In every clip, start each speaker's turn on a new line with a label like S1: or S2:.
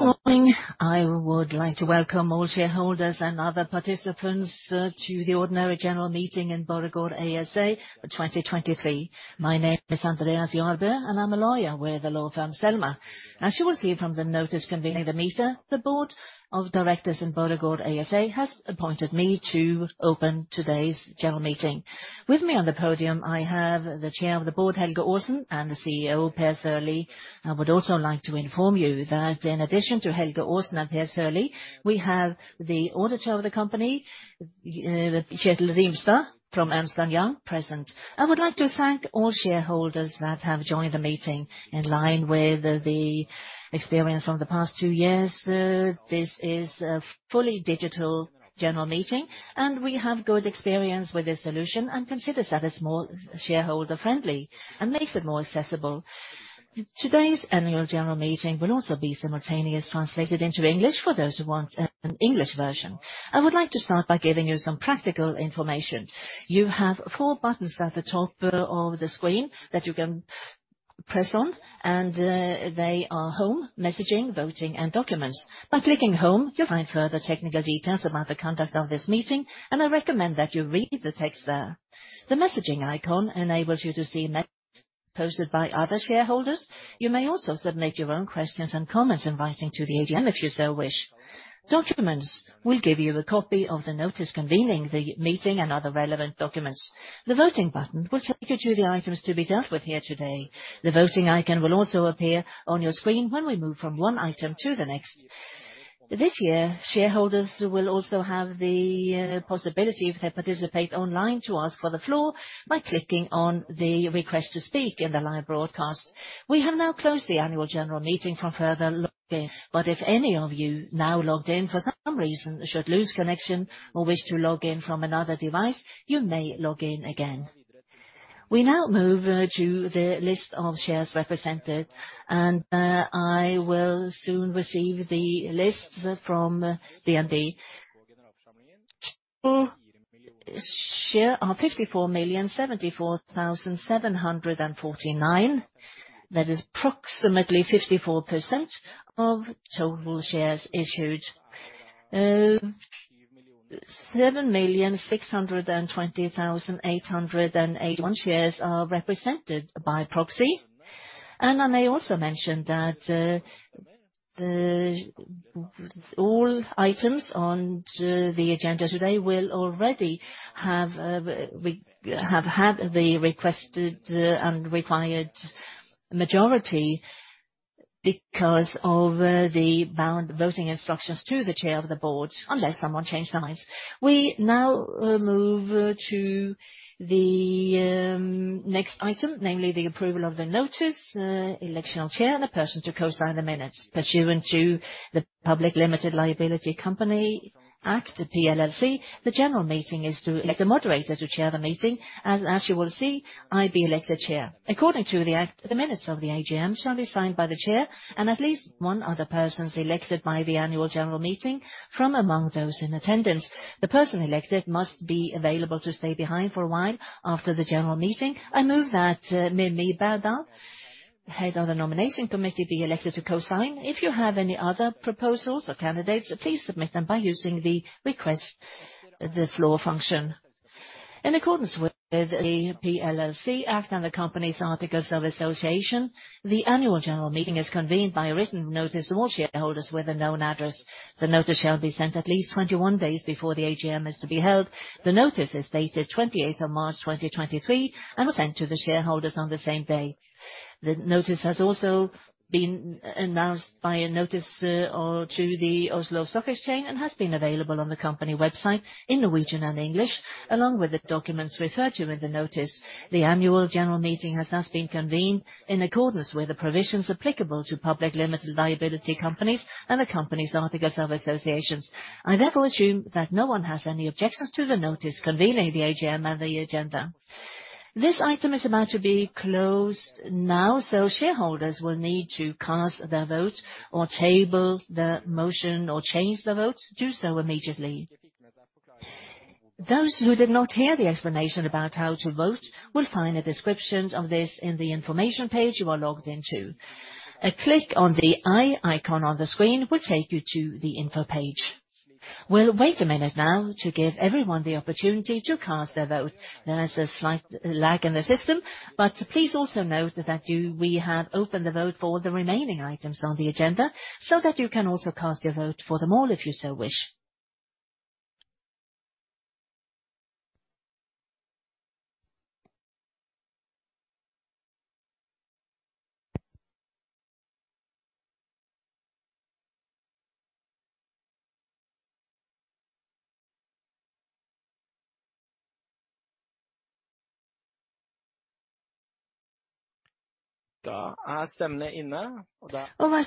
S1: Good morning. I would like to welcome all shareholders and other participants to the ordinary general meeting in Borregaard ASA for 2023. My name is Andreas Jarbø, I'm a lawyer with the law firm Selmer. As you will see from the notice convening the meter, the Board of Directors in Borregaard ASA has appointed me to open today's general meeting. With me on the podium, I have the Chair of the Board, Helge Aasen, the CEO, Per Sørlie. I would also like to inform you that in addition to Helge Aasen and Per Sørlie, we have the auditor of the company, Kjetil Rimstad from Ernst & Young present. I would like to thank all shareholders that have joined the meeting in line with the experience from the past two years. This is a fully digital general meeting. We have good experience with this solution and consider that it's more shareholder-friendly and makes it more accessible. Today's annual general meeting will also be simultaneously translated into English for those who want an English version. I would like to start by giving you some practical information. You have four buttons at the top of the screen that you can press on. They are Home, Messaging, Voting, and Documents. By clicking Home, you'll find further technical details about the conduct of this meeting. I recommend that you read the text there. The Messaging icon enables you to see mess posted by other shareholders. You may also submit your own questions and comments in writing to the AGM if you so wish. Documents will give you a copy of the notice convening the meeting and other relevant documents. The Voting button will take you to the items to be dealt with here today. The Voting icon will also appear on your screen when we move from one item to the next. This year, shareholders will also have the possibility, if they participate online, to ask for the floor by clicking on the Request to Speak in the live broadcast. We have now closed the annual general meeting from further login, but if any of you now logged in, for some reason, should lose connection or wish to log in from another device, you may log in again. We now move to the list of shares represented, and I will soon receive the list from DNB. Share of 54,074,749. That is approximately 54% of total shares issued. 7,620,881 shares are represented by proxy. I may also mention that all items on the agenda today will already have had the requested and required majority because of the bound voting instructions to the Chair of the Board, unless someone changed their minds. We now move to the next item, namely the approval of the notice, election of chair, and a person to co-sign the minutes. Pursuant to the Public Limited Liability Companies Act, the PLLC, the general meeting is to elect a moderator to chair the meeting. As you will see, I be elected chair. According to the act, the minutes of the AGM shall be signed by the chair and at least one other persons elected by the annual general meeting from among those in attendance. The person elected must be available to stay behind for a while after the general meeting. I move that Mimi K. Berdal, Chair, Nomination Committee, be elected to co-sign. If you have any other proposals or candidates, please submit them by using the Request the Floor function. In accordance with the PLLC Act and the company's Articles of Association, the annual general meeting is convened by a written notice to all shareholders with a known address. The notice shall be sent at least 21 days before the AGM is to be held. The notice is dated 28th of March 2023 and was sent to the shareholders on the same day. The notice has also been announced by a notice, or to the Oslo Stock Exchange and has been available on the company website in Norwegian and English, along with the documents referred to in the notice. The annual general meeting has thus been convened in accordance with the provisions applicable to public limited liability companies and the company's Articles of Association. I therefore assume that no one has any objections to the notice convening the AGM and the agenda. This item is about to be closed now. Shareholders will need to cast their vote or table the motion or change their votes, do so immediately. Those who did not hear the explanation about how to vote will find a description of this in the information page you are logged into. A click on the "I" icon on the screen will take you to the info page. We'll wait a minute now to give everyone the opportunity to cast their vote. There is a slight lag in the system, but please also note that we have opened the vote for the remaining items on the agenda so that you can also cast your vote for them all if you so wish.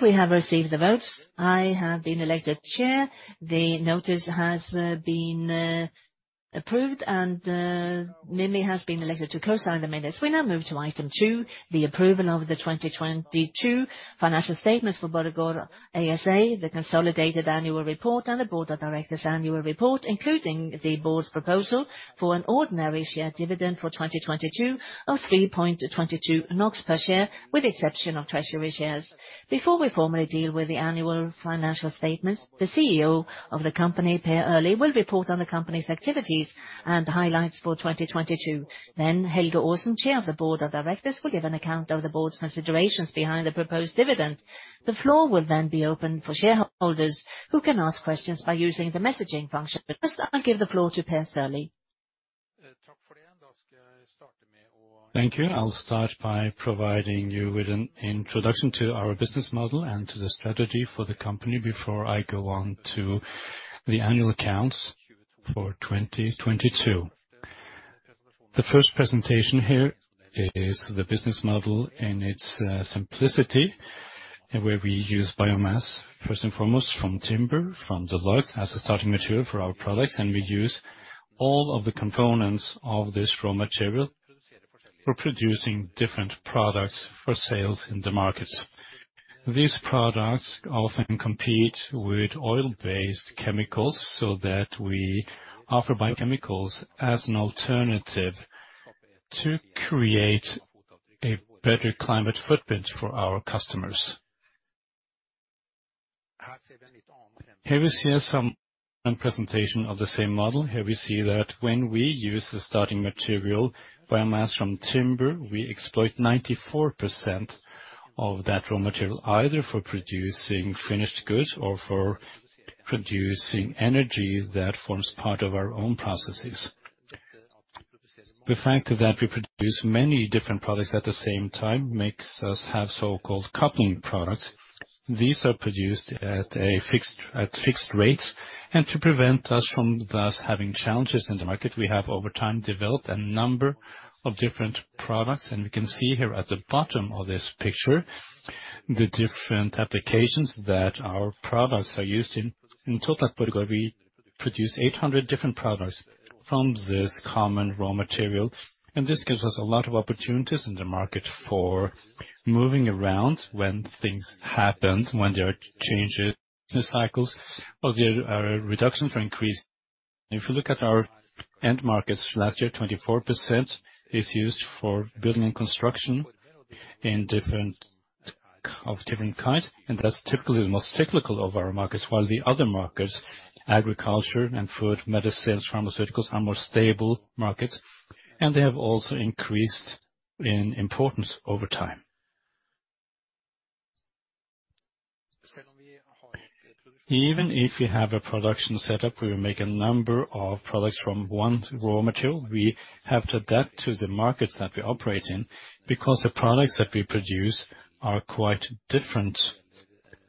S1: We have received the votes. I have been elected Chair. The notice has been approved. Mimi has been elected to co-sign the minutes. We now move to item 2, the approval of the 2022 financial statements for Borregaard ASA, the consolidated Annual Report, and the Board of Directors Annual Report, including the Board's proposal for an ordinary share dividend for 2022 of 3.22 NOK per share, with exception of treasury shares. Before we formally deal with the annual financial statements, the CEO of the company, Per Sørlie, will report on the company's activities and highlights for 2022. Helge Aasen, Chair of the Board of Directors, will give an account of the Board's considerations behind the proposed dividend. The floor will then be open for shareholders, who can ask questions by using the messaging function. First, I'll give the floor to Per Sørlie.
S2: Thank you. I'll start by providing you with an introduction to our business model and to the strategy for the company before I go on to the annual accounts for 2022. The first presentation here is the business model in its simplicity, where we use biomass, first and foremost, from timber, from the logs as a starting material for our products, and we use all of the components of this raw material. We're producing different products for sales in the markets. These products often compete with oil-based chemicals, so that we offer biochemicals as an alternative to create a better climate footprint for our customers. Here, we see some presentation of the same model. Here we see that when we use the starting material biomass from timber, we exploit 94% of that raw material, either for producing finished goods or for producing energy that forms part of our own processes. The fact that we produce many different products at the same time makes us have so-called coupling products. These are produced at fixed rates. To prevent us from thus having challenges in the market, we have over time developed a number of different products, and we can see here at the bottom of this picture the different applications that our products are used in. In total at Borregaard, we produce 800 different products from this common raw material, and this gives us a lot of opportunities in the market for moving around when things happen, when there are changes in cycles or there are reduction for increase. If you look at our end markets, last year, 24% is used for building and construction in different of different kind, and that's typically the most cyclical of our markets. The other markets, agriculture and food, medicines, pharmaceuticals, are more stable markets, and they have also increased in importance over time. Even if we have a production set up, we will make a number of products from one raw material. We have to adapt to the markets that we operate in because the products that we produce are quite different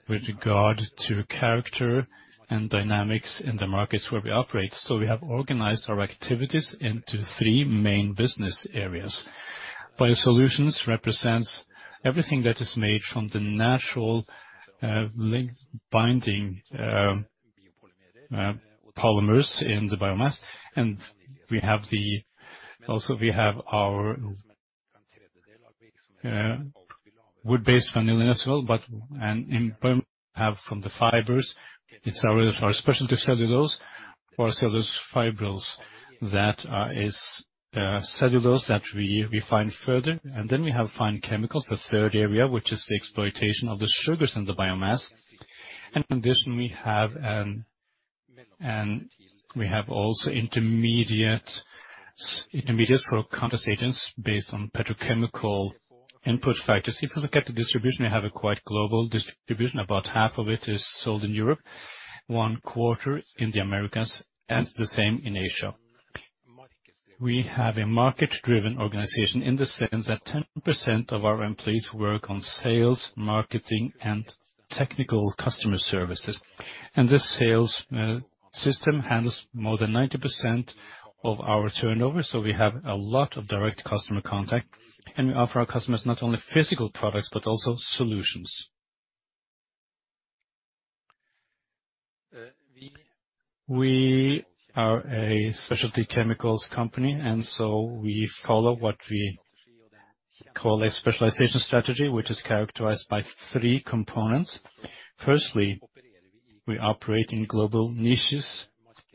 S2: with regard to character and dynamics in the markets where we operate. We have organized our activities into three main business areas. BioSolutions represents everything that is made from the natural link binding polymers in the biomass. Also we have our wood-based vanillin as well. From the fibers, it's our specialty cellulose or cellulose fibrils, that is cellulose that we find further. Then we have Fine Chemicals, the third area, which is the exploitation of the sugars in the biomass. In addition, we have also intermediates for counter agents based on petrochemical input factors. If you look at the distribution, we have a quite global distribution. About half of it is sold in Europe, one quarter in the Americas, and the same in Asia. We have a market-driven organization in the sense that 10% of our employees work on sales, marketing, and technical customer services. This sales system handles more than 90% of our turnover, so we have a lot of direct customer contact. We offer our customers not only physical products, but also solutions. We are a specialty chemicals company, and so we follow what we call a specialization strategy, which is characterized by three components. Firstly, we operate in global niches,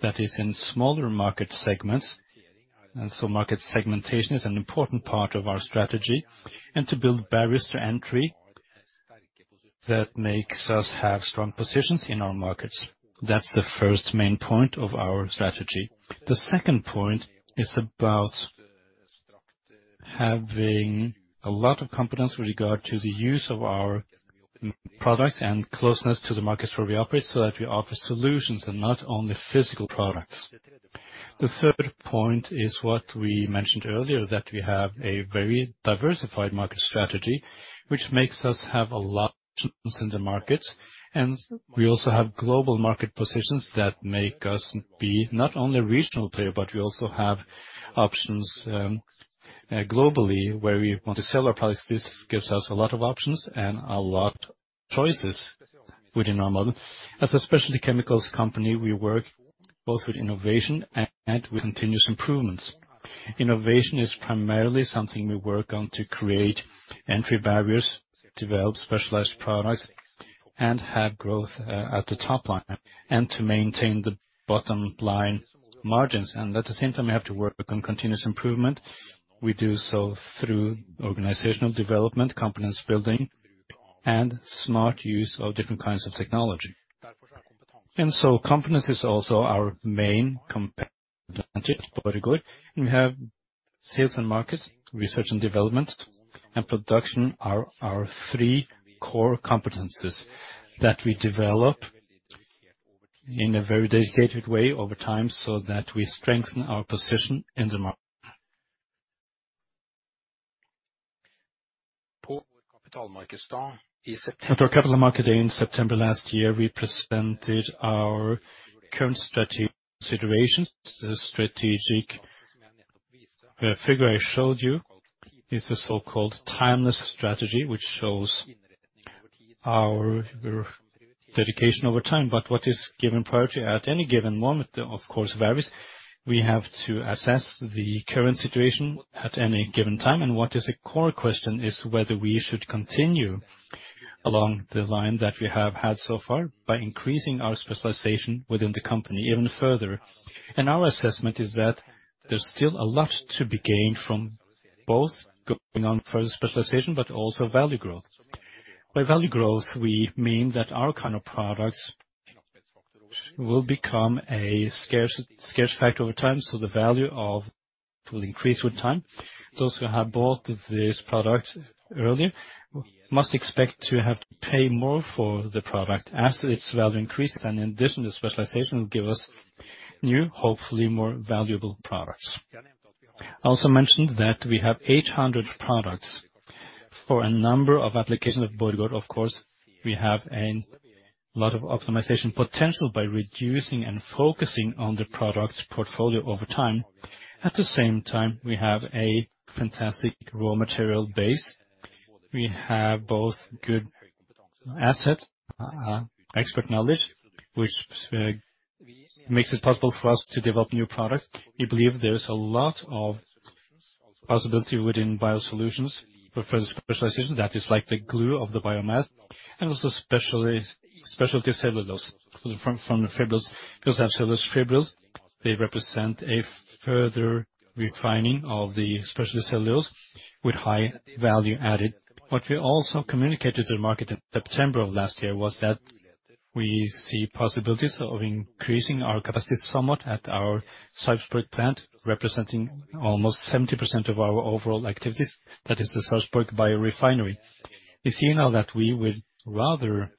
S2: that is in smaller market segments, and so market segmentation is an important part of our strategy and to build barriers to entry that makes us have strong positions in our markets. That's the first main point of our strategy. The second point is about having a lot of confidence with regard to the use of our products and closeness to the markets where we operate, so that we offer solutions and not only physical products. The third point is what we mentioned earlier, that we have a very diversified market strategy, which makes us have a lot in the market. We also have global market positions that make us be not only a regional player, but we also have options globally where we want to sell our products. This gives us a lot of options and Choices within our model. As a specialty chemicals company, we work both with innovation and with continuous improvements. Innovation is primarily something we work on to create entry barriers, develop specialized products, and have growth at the top line and to maintain the bottom line margins. At the same time, we have to work on continuous improvement. We do so through organizational development, competence building, and smart use of different kinds of technology. Competence is also our main competitive advantage at Borregaard. We have sales and markets, research and development, and production are our three core competencies that we develop in a very dedicated way over time so that we strengthen our position in the market. At our capital market day in September last year, we presented our current strategic situations. The strategic figure I showed you is the so-called timeless strategy, which shows our dedication over time. What is given priority at any given moment, of course, varies. We have to assess the current situation at any given time, and what is a core question is whether we should continue along the line that we have had so far by increasing our specialization within the company even further. Our assessment is that there's still a lot to be gained from both going on further specialization, but also value growth. By value growth, we mean that our kind of products will become a scarce factor over time. The value of will increase with time. Those who have bought this product earlier must expect to have to pay more for the product. As its value increases, additional specialization will give us new, hopefully more valuable products. I also mentioned that we have 800 products for a number of applications at Borregaard. Of course, we have a lot of optimization potential by reducing and focusing on the product portfolio over time. At the same time, we have a fantastic raw material base. We have both good assets, expert knowledge, which makes it possible for us to develop new products. We believe there is a lot of possibility within BioSolutions for further specialization that is like the glue of the biomass and also specialty cellulose from the cellulose fibrils. Cellulose fibrils, they represent a further refining of the specialty cellulose with high value added. What we also communicated to the market in September of last year was that we see possibilities of increasing our capacity somewhat at our Sarpsborg plant, representing almost 70% of our overall activities. That is the Sarpsborg biorefinery. We see now that we would rather.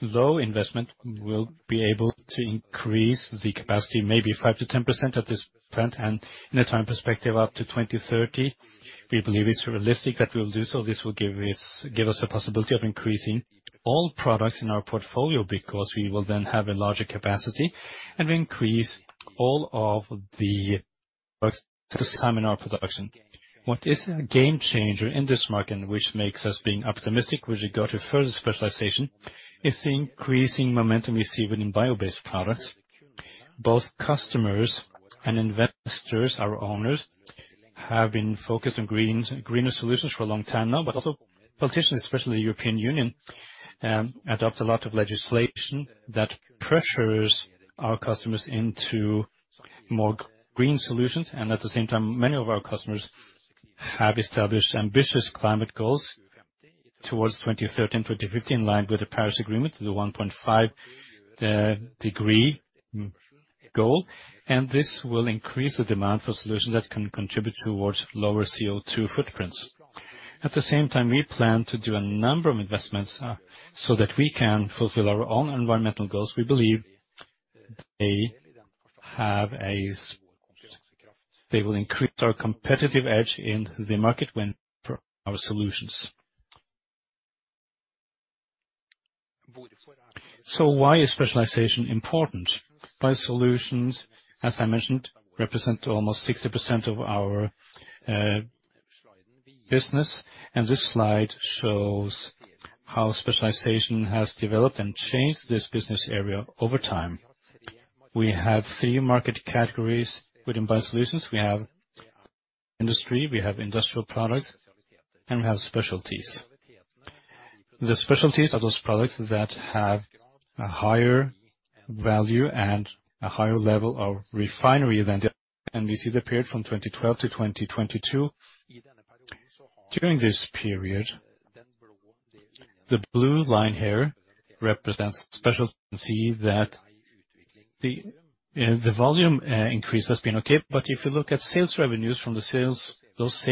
S2: Low investment, we'll be able to increase the capacity maybe 5%-10% at this plant and in a time perspective, up to 2030, we believe it's realistic that we'll do so. This will give us a possibility of increasing all products in our portfolio, because we will then have a larger capacity, and we increase all of the works this time in our production. What is a game changer in this market, which makes us being optimistic with regard to further specialization, is the increasing momentum we see within bio-based products. Both customers and investors, our owners, have been focused on greener solutions for a long time now, but also politicians, especially European Union, adopt a lot of legislation that pressures our customers into more green solutions. At the same time, many of our customers have established ambitious climate goals towards 2030 and 2050, in line with the Paris Agreement to the 1.5 degree goal. This will increase the demand for solutions that can contribute towards lower CO2 footprints. At the same time, we plan to do a number of investments so that we can fulfill our own environmental goals. We believe they will increase our competitive edge in the market when our solutions. Why is specialization important? BioSolutions, as I mentioned, represent almost 60% of our business, and this slide shows how specialization has developed and changed this business area over time. We have 3 market categories within BioSolutions. We have industry, we have industrial products, and we have specialties. The specialties are those products that have a higher value and a higher level of refinery event, and we see the period from 2012 to 2022. During this period, the blue line here represents specialty that the volume increase has been okay. If you look at sales revenues from those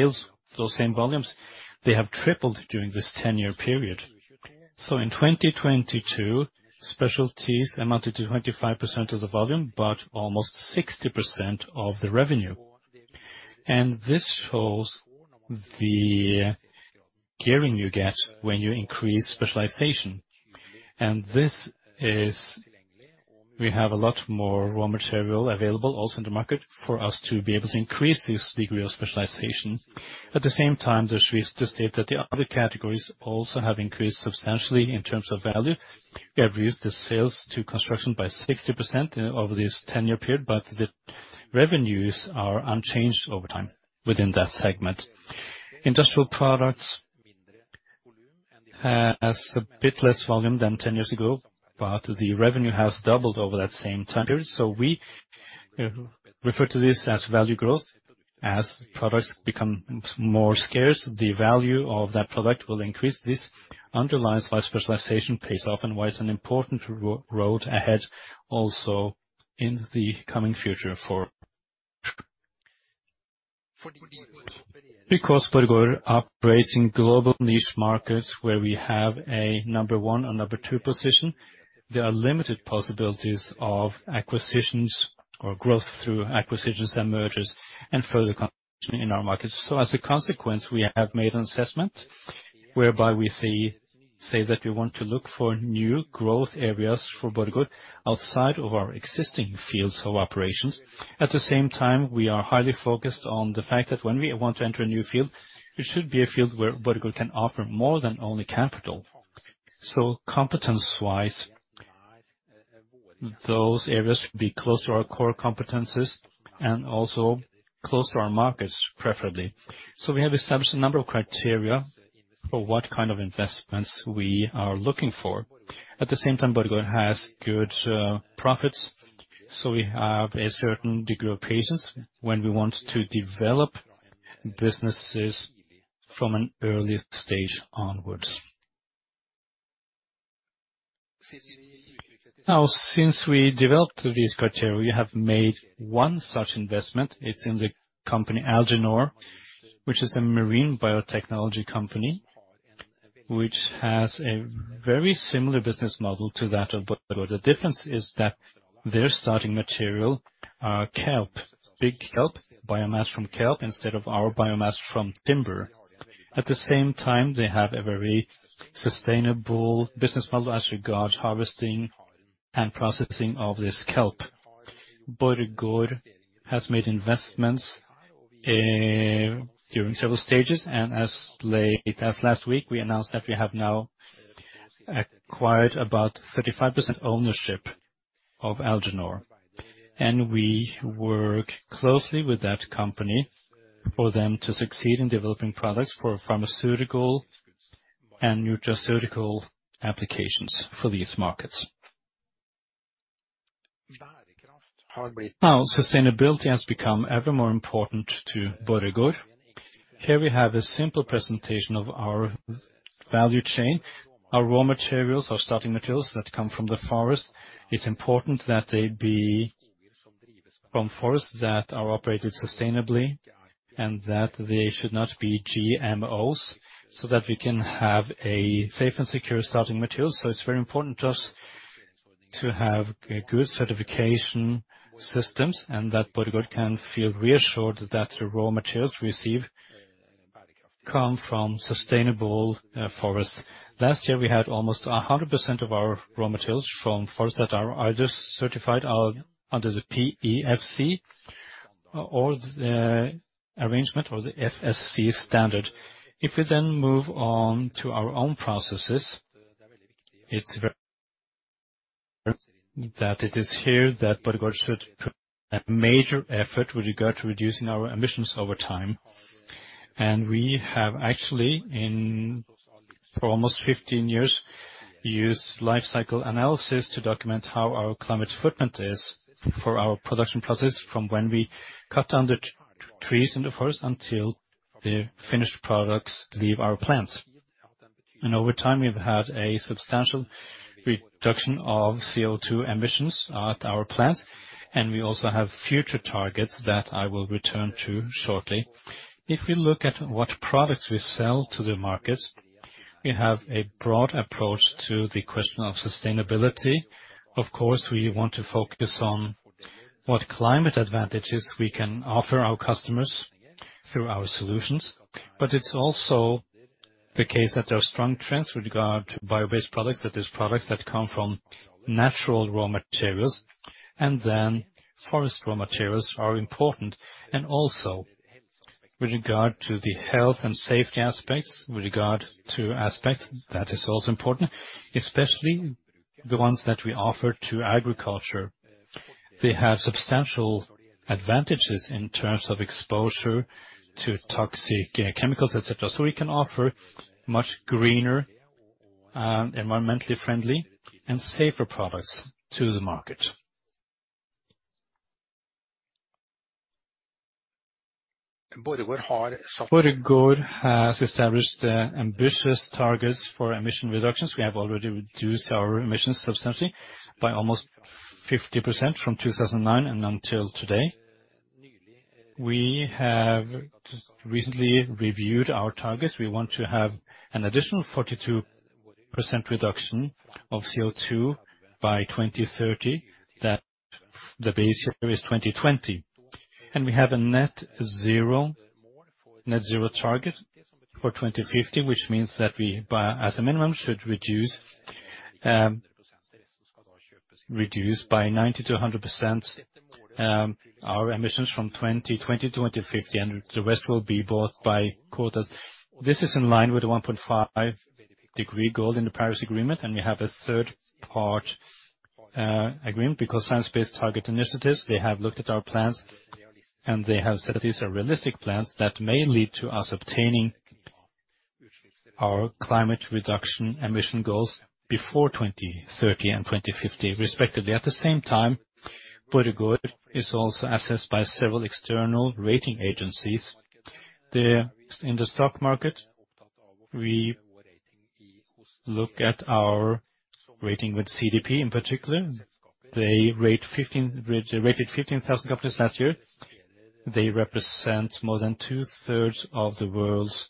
S2: same volumes, they have tripled during this 10-year period. In 2022, specialties amounted to 25% of the volume, but almost 60% of the revenue. This shows the gearing you get when you increase specialization. We have a lot more raw material available also in the market for us to be able to increase this degree of specialization. At the same time, there's reason to state that the other categories also have increased substantially in terms of value. We have used the sales to construction by 60% over this 10-year period, but the revenues are unchanged over time within that segment. Industrial products has a bit less volume than 10 years ago, but the revenue has doubled over that same time period. We refer to this as value growth. As products become more scarce, the value of that product will increase. This underlies why specialization pays off and why it's an important road ahead also in the coming future. Because Borregaard operates in global niche markets where we have a number one or number two position, there are limited possibilities of acquisitions or growth through acquisitions and mergers and further in our markets. As a consequence, we have made an assessment whereby we say that we want to look for new growth areas for Borregaard outside of our existing fields of operations. At the same time, we are highly focused on the fact that when we want to enter a new field, it should be a field where Borregaard can offer more than only capital. Competence-wise, those areas should be close to our core competencies and also close to our markets, preferably. We have established a number of criteria for what kind of investments we are looking for. At the same time, Borregaard has good profits, so we have a certain degree of patience when we want to develop businesses from an early stage onwards. Now, since we developed these criteria, we have made one such investment. It's in the company Alginor, which is a marine biotechnology company, which has a very similar business model to that of Borregaard. The difference is that their starting material are kelp, big kelp, biomass from kelp instead of our biomass from timber. At the same time, they have a very sustainable business model as regards harvesting and processing of this kelp. Borregaard has made investments during several stages, and as late as last week, we announced that we have now acquired about 35% ownership of Alginor. We work closely with that company for them to succeed in developing products for pharmaceutical and nutraceutical applications for these markets. Now, sustainability has become ever more important to Borregaard. Here we have a simple presentation of our value chain. Our raw materials, our starting materials that come from the forest, it's important that they be from forests that are operated sustainably and that they should not be GMOs, so that we can have a safe and secure starting material. It's very important to us to have good certification systems and that Borregaard can feel reassured that the raw materials we receive come from sustainable forests. Last year, we had almost 100% of our raw materials from forests that are either certified under the PEFC or the arrangement or the FSC standard. If we then move on to our own processes, it's very that it is here that Borregaard should put a major effort with regard to reducing our emissions over time. We have actually for almost 15 years, used life cycle analysis to document how our climate footprint is for our production process from when we cut down the trees in the forest until the finished products leave our plants. Over time, we've had a substantial reduction of CO2 emissions at our plant, and we also have future targets that I will return to shortly. If we look at what products we sell to the market, we have a broad approach to the question of sustainability. We want to focus on what climate advantages we can offer our customers through our solutions. It's also the case that there are strong trends with regard to bio-based products. That is products that come from natural raw materials. Forest raw materials are important. Also with regard to the health and safety aspects, that is also important, especially the ones that we offer to agriculture. They have substantial advantages in terms of exposure to toxic chemicals, et cetera. We can offer much greener, environmentally friendly and safer products to the market. Borregaard has established ambitious targets for emission reductions. We have already reduced our emissions substantially by almost 50% from 2009 and until today. We have recently reviewed our targets. We want to have an additional 42% reduction of CO2 by 2030. The base here is 2020. We have a net zero target for 2050, which means that we, by as a minimum, should reduce by 90%-100% our emissions from 2020 to 2050, and the rest will be bought by quotas. This is in line with the 1.5 degree goal in the Paris Agreement. We have a third-part agreement because Science Based Targets initiative, they have looked at our plans and they have said that these are realistic plans that may lead to us obtaining our climate reduction emission goals before 2030 and 2050, respectively. At the same time, Borregaard is also assessed by several external rating agencies. In the stock market, we look at our rating with CDP in particular. They rated 15,000 companies last year. They represent more than two-thirds of the world's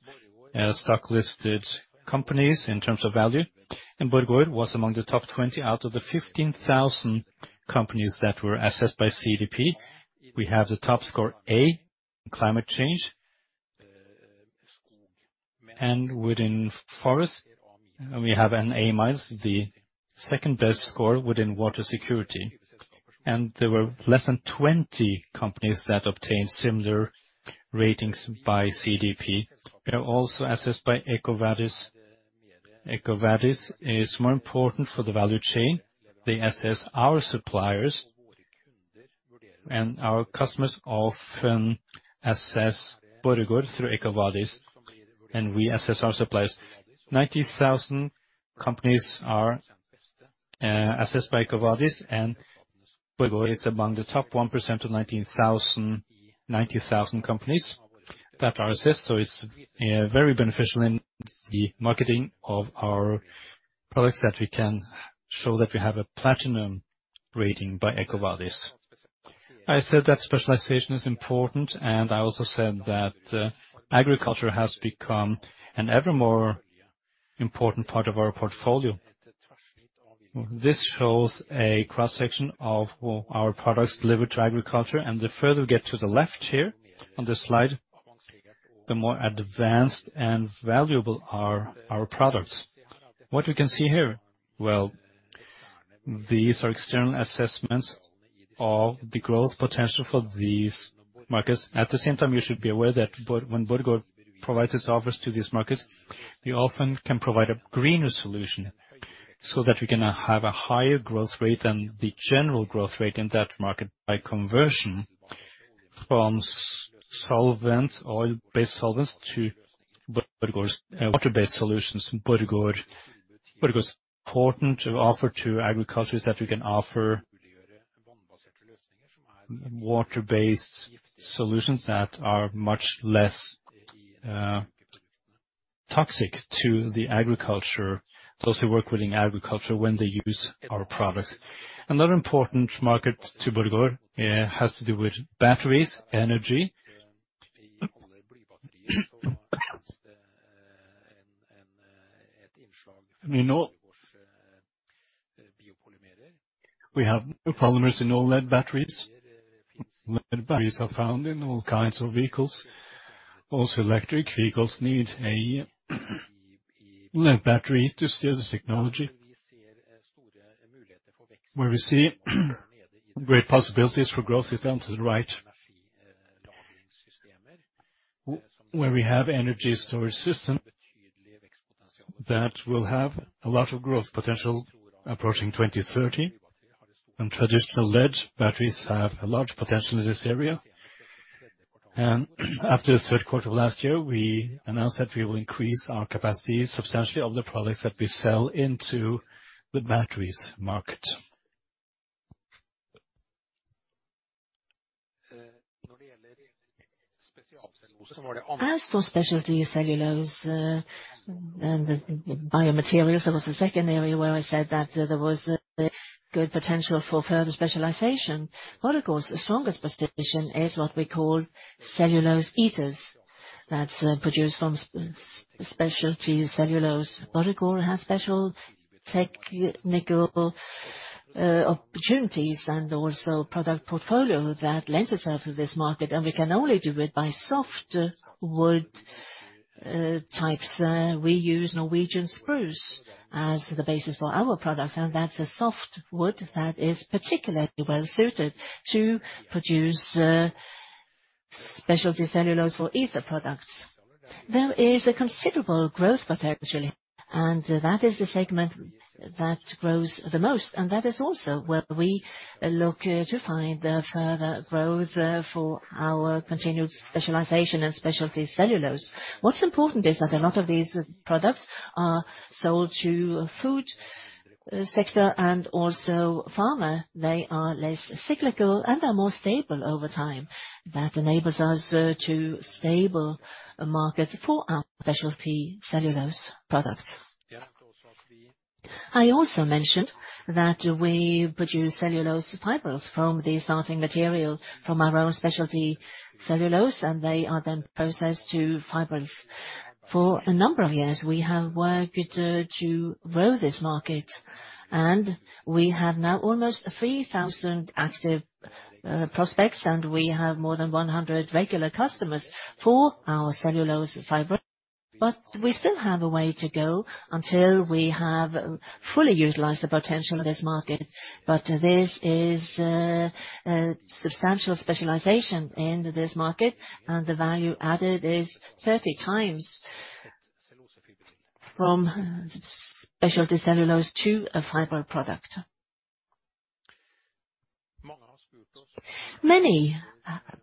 S2: stock-listed companies in terms of value. Borregaard was among the top 20 out of the 15,000 companies that were assessed by CDP. We have the top score A in Climate Change. Within Forest, we have an A-, the second best score within water security. There were less than 20 companies that obtained similar ratings by CDP. We are also assessed by EcoVadis. EcoVadis is more important for the value chain. They assess our suppliers and our customers often assess Borregaard through EcoVadis, and we assess our suppliers. 90,000 companies are assessed by EcoVadis, and Borregaard is among the top 1% of 90,000 companies that are assessed. It's very beneficial in the marketing of our products that we can show that we have a platinum rating by EcoVadis. I said that specialization is important. I also said that agriculture has become an ever more important part of our portfolio. This shows a cross-section of our products delivered to agriculture. The further we get to the left here on this slide, the more advanced and valuable are our products. What we can see here, well, these are external assessments of the growth potential for these markets. At the same time, you should be aware that when Borregaard provides its offers to these markets, we often can provide a greener solution so that we can have a higher growth rate than the general growth rate in that market by conversion from solvents, oil-based solvents, to Borregaard's water-based solutions. Borregaard's important to offer to agriculture is that we can offer water-based solutions that are much less toxic to the agriculture, those who work within agriculture when they use our products. Another important market to Borregaard has to do with batteries, energy. We know we have polymers in all lead batteries. Lead batteries are found in all kinds of vehicles. Also, electric vehicles need a lead battery to store the technology. Where we see great possibilities for growth is down to the right. Where we have energy storage system, that will have a lot of growth potential approaching 2030, and traditional lead batteries have a large potential in this area. After the third quarter of last year, we announced that we will increase our capacity substantially of the products that we sell into the batteries market. As for speciality cellulose, and the BioMaterials, there was a second area where I said that there was a good potential for further specialization. Borregaard's strongest position is what we call cellulose ethers. That's produced from speciality cellulose. Borregaard has special technical opportunities and also product portfolio that lends itself to this market, and we can only do it by soft wood types. We use Norway spruce as the basis for our products, and that's a soft wood that is particularly well suited to produce speciality cellulose for ether products. There is a considerable growth potentially, and that is the segment that grows the most, and that is also where we look to find further growth for our continued specialization in speciality cellulose. What's important is that a lot of these products are sold to food sector and also farmer. They are less cyclical and are more stable over time. That enables us to stable market for our speciality cellulose products. I also mentioned that we produce cellulose fibers from the starting material from our own speciality cellulose, and they are then processed to fibers. For a number of years, we have worked to grow this market, and we have now almost 3,000 active prospects, and we have more than 100 regular customers for our cellulose fiber. We still have a way to go until we have fully utilized the potential of this market. This is a substantial specialization in this market, and the value added is 30 times from speciality cellulose to a fiber product. Many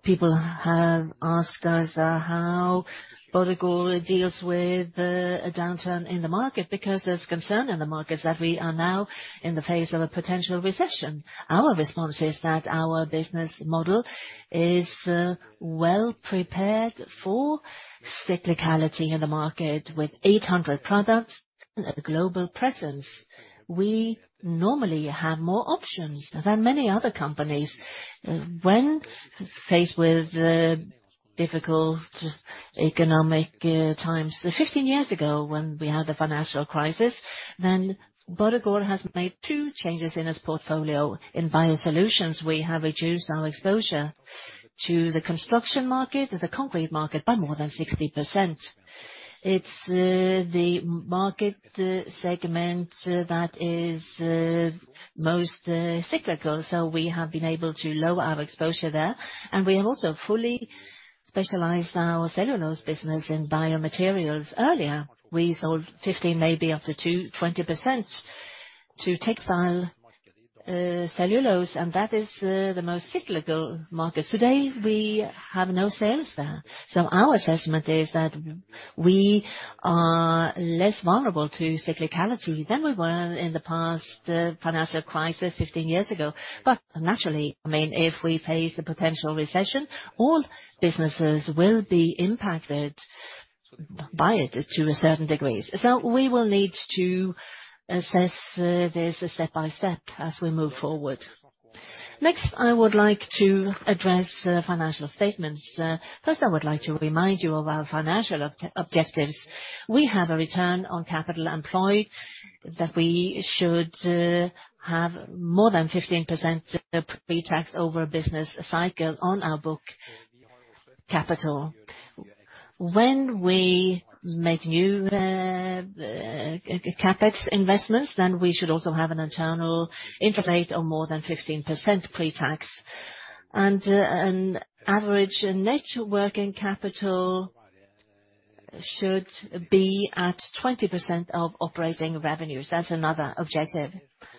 S2: people have asked us how Borregaard deals with the downturn in the market because there's concern in the markets that we are now in the phase of a potential recession. Our response is that our business model is well prepared for cyclicality in the market. With 800 products and a global presence, we normally have more options than many other companies when faced with difficult economic times. 15 years ago, when we had the financial crisis, Borregaard has made two changes in its portfolio. In BioSolutions, we have reduced our exposure to the construction market, the concrete market by more than 60%. It's the market segment that is most cyclical, we have been able to lower our exposure there, and we have also fully specialized our cellulose business in BioMaterials. Earlier, we sold 15, maybe up to 20% to textile cellulose, and that is the most cyclical market. Today, we have no sales there. Our assessment is that we are less vulnerable to cyclicality than we were in the past financial crisis 15 years ago. Naturally, if we face a potential recession, all businesses will be impacted by it to a certain degree. We will need to assess this step by step as we move forward. Next, I would like to address financial statements. First, I would like to remind you of our financial objectives. We have a return on capital employed that we should have more than 15% pretax over a business cycle on our book capital. When we make new CapEx investments, then we should also have an internal interest rate of more than 15% pretax. An average net working capital should be at 20% of operating revenues. That's another objective.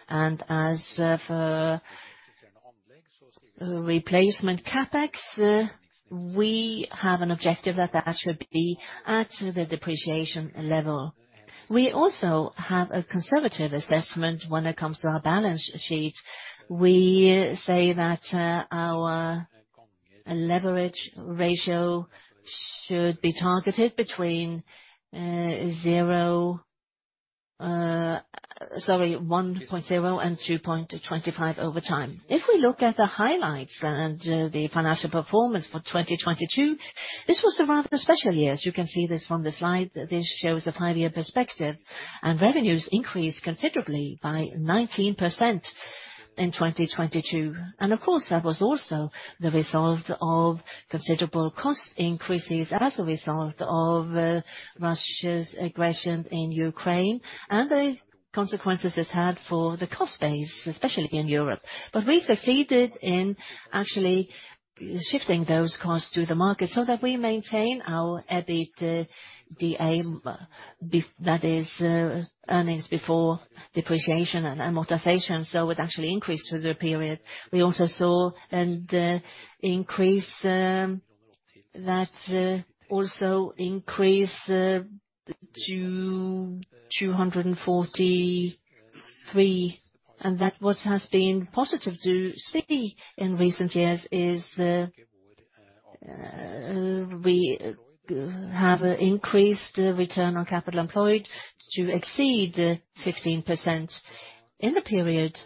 S2: As for replacement CapEx, we have an objective that that should be at the depreciation level. We also have a conservative assessment when it comes to our balance sheet. We say that our leverage ratio should be targeted between 1.0 and 2.25 over time. If we look at the highlights and the financial performance for 2022, this was a rather special year, as you can see this from the slide. This shows a five-year perspective, revenues increased considerably by 19% in 2022. Of course, that was also the result of considerable cost increases as a result of Russia's aggression in Ukraine and the consequences it's had for the cost base, especially in Europe. We succeeded in actually shifting those costs to the market so that we maintain our EBITDA, that is, earnings before depreciation and amortization. It actually increased through the period. We also saw an increase that also increased to 243. What has been positive to see in recent years is, we have increased return on capital employed to exceed 15%. In the period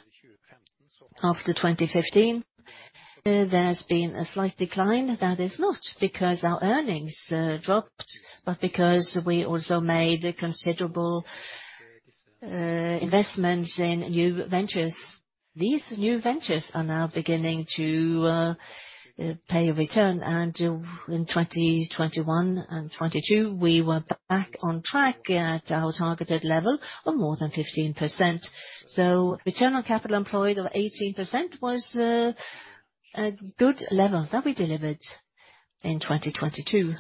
S2: after 2015, there's been a slight decline. That is not because our earnings dropped, but because we also made considerable investments in new ventures. These new ventures are now beginning to pay a return. In 2021 and 2022, we were back on track at our targeted level of more than 15%. Return on capital employed of 18% was a good level that we delivered in 2022.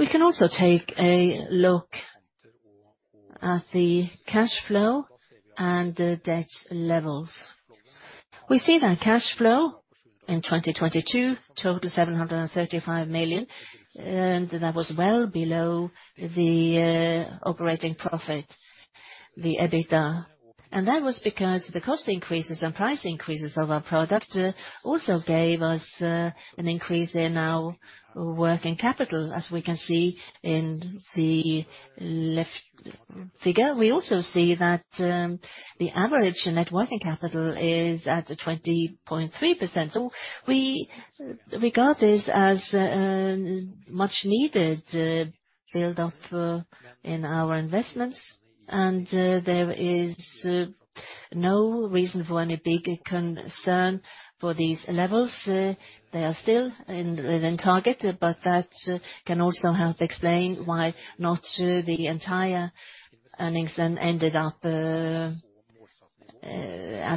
S2: We can also take a look at the cash flow and the debt levels. We see that cash flow in 2022 totaled 735 million, and that was well below the operating profit, the EBITDA. That was because the cost increases and price increases of our product also gave us an increase in our working capital, as we can see in the left figure. We also see that the average net working capital is at 20.3%. We regard this as a much-needed build up for in our investments, and there is no reason for any big concern for these levels. They are still in, within target, but that can also help explain why not the entire earnings then ended up as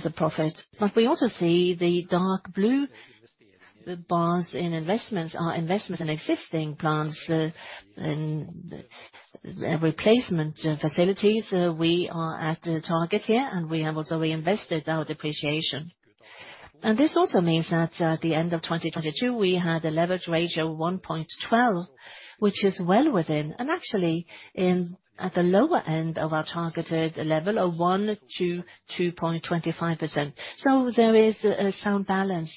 S2: a profit. We also see the dark blue, the bars in investments are investments in existing plants and replacement facilities. We are at the target here, and we have also reinvested our depreciation. This also means that at the end of 2022, we had a leverage ratio of 1.12, which is well within, and actually in, at the lower end of our targeted level of 1% to 2.25%. There is a sound balance